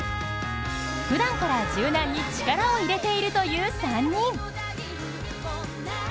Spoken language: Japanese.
ふだんから柔軟に力を入れているという３人。